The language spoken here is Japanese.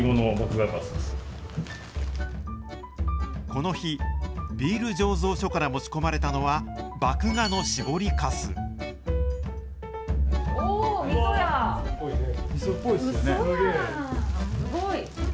この日、ビール醸造所から持ち込まれたのは、麦芽の搾りかす。